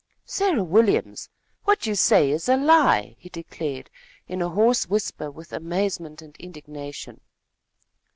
"Sarah Williams, what you say is a lie!" he declared, in a voice hoarse with amazement and indignation.